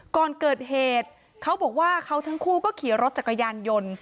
ก่อนเกิดเหตุเขาบอกว่าเขาทั้งคู่ก็ขี่รถจักรยานยนต์